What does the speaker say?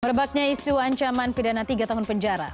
merebaknya isu ancaman pidana tiga tahun penjara